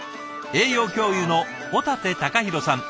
栄養教諭の保立貴博さん